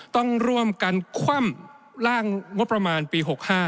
ต้องร่วมกันคว่ำร่างงบประมาณปี๖๕